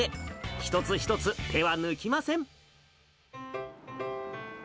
一つ一つ手は抜きません。